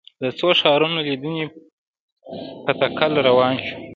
د څو ښارونو لیدنې په تکل روان شوو.